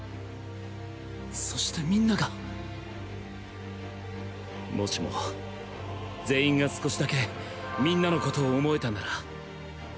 そして皆がもしも全員が少しだけ「みんな」の事を思えたなら。